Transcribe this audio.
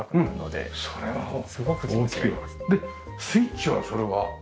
でスイッチはそれは。